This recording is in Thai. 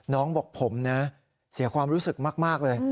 บอกผมนะเสียความรู้สึกมากเลย